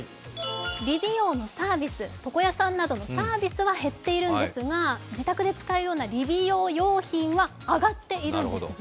理美容のサービス、床屋さんなどのサービスは減っているんですが、自宅で使えるような理美容用品は上がっているんですね。